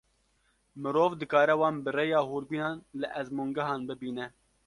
Mirov dikare wan bi rêya hûrbînan li ezmûngehan bibîne.